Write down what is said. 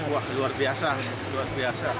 wah luar biasa luar biasa